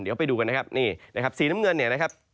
เดี๋ยวไปดูกันนะครับนี่นะครับสีน้ำเงินเนี่ยนะครับ